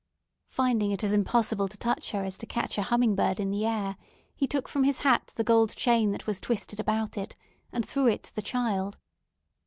Finding it as impossible to touch her as to catch a humming bird in the air, he took from his hat the gold chain that was twisted about it, and threw it to the child.